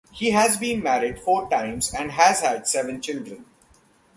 He has been married four times and has had seven children.